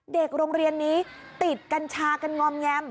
เด็กโรงเรียนนี้ติดกัญชากันงอมแงม